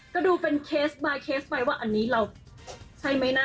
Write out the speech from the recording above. ก็ดูเป็นเคสบายเคสไปว่าอันนี้เราใช่ไหมนะ